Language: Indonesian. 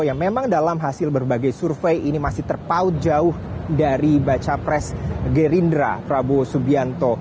yang memang dalam hasil berbagai survei ini masih terpaut jauh dari baca pres gerindra prabowo subianto